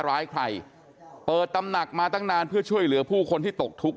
ร้ายใครเปิดตำหนักมาตั้งนานเพื่อช่วยเหลือผู้คนที่ตกทุกข์